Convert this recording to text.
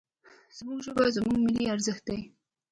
زموږ ژبه، زموږ ملي ارزښت دی.